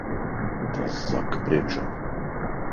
Tas saka priekšā.